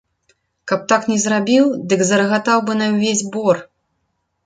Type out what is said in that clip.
Каб так не зрабіў, дык зарагатаў бы на ўвесь бор.